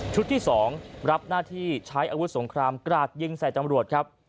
ที่๒รับหน้าที่ใช้อาวุธสงครามกราดยิงใส่ตำรวจครับ